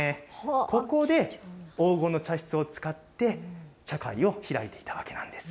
ここで黄金の茶室を使って、茶会を開いていたわけなんです。